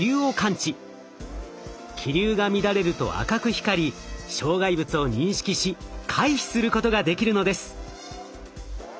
気流が乱れると赤く光り障害物を認識し回避することができるのです。